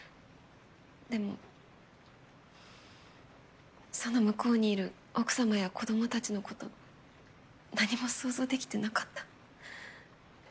でもその向こうにいる奥様や子供たちのこと何も想像できてなかった。